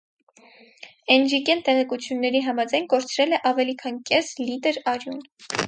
Էնրիկեն տեղեկությունների համաձայն կորցրել է ավելի քան կես լիտր արյուն։